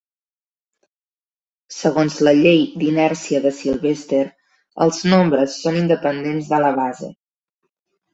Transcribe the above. Segons la llei d'inèrcia de Sylvester, els nombres són independents de la base.